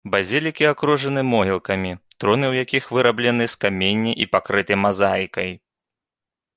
Базілікі акружаны могілкамі, труны ў якіх выраблены з каменя і пакрыты мазаікай.